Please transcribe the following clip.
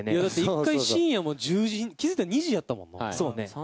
一回深夜も、気付いたら２時やったもん。